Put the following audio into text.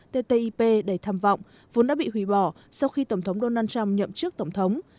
ttip đầy tham vọng vốn đã bị hủy bỏ sau khi tổng thống donald trump nhậm chức tổng thống